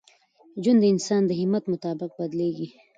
ژوند د انسان د همت مطابق بدلېږي.